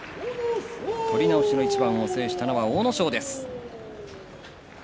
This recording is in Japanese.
取り直しの一番を制したのは阿武咲です。